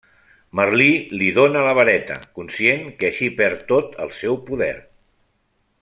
Merlí li dóna la vareta, conscient que així perd tot el seu poder.